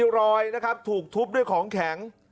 รอยนะครับถูกทุบด้วยของแข็ง